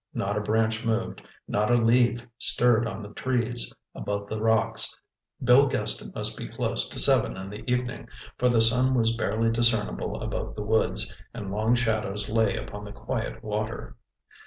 Not a branch moved, not a leaf stirred on the trees above the rocks. Bill guessed it must be close to seven in the evening, for the sun was barely discernible above the woods, and long shadows lay upon the quiet water.